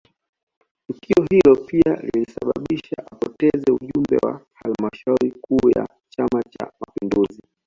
Tukio hilo pia lilisababisha apoteze ujumbe wa halmashauri kuu ya chama cha mapinduzi